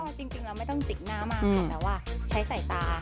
ก็จริงแล้วไม่ต้องจิกหน้ามากแต่ว่าใช้ใส่ตา